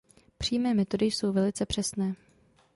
Přímé metody jsou velice přesné.